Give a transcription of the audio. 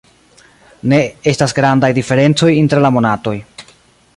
Ne estas grandaj diferencoj inter la monatoj.